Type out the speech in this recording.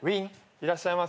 いらっしゃいませ。